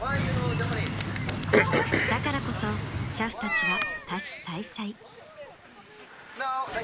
［だからこそ俥夫たちは多士済々］